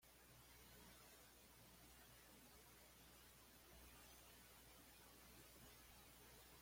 Sin embargo antes del combate, Joe fue atacado misteriosamente.